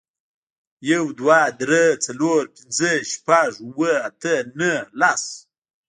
یو, دوه, درې, څلور, پنځه, شپږ, اووه, اته, نهه, لس